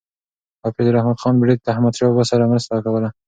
حافظ رحمت خان بړیڅ له احمدشاه بابا سره مرسته کوله.